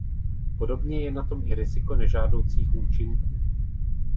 Podobně je na tom i riziko nežádoucích účinků.